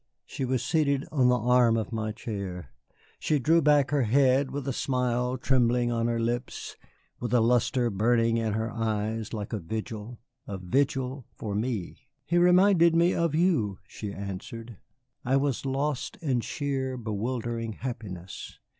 She was seated on the arm of my chair. She drew back her head with a smile trembling on her lips, with a lustre burning in her eyes like a vigil a vigil for me. "He reminded me of you," she answered. I was lost in sheer, bewildering happiness.